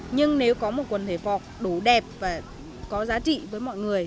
nhưng nếu có một quần thể vọc đủ đẹp và có giá trị với mọi người